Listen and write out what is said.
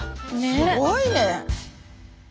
すごいね。